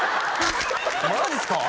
マジっすか！？